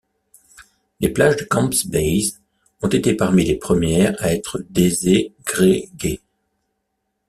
Les plages de Camps Bays ont été parmi les premières à être dé-ségrégués.